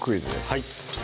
はい